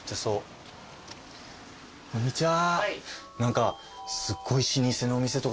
こんにちは。